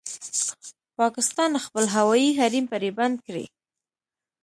پاکستان خپل هوايي حريم پرې بند کړی